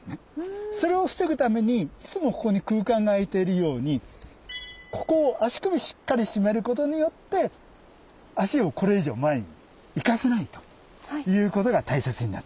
それを防ぐためにいつもここに空間が空いているようにここを足首しっかり締めることによって足をこれ以上前に行かせないということが大切になってきます。